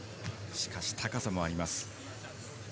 しかし、高さもあります。